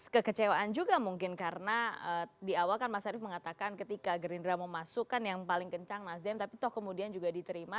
kekecewaan juga mungkin karena di awal kan mas arief mengatakan ketika gerindra mau masuk kan yang paling kencang nasdem tapi toh kemudian juga diterima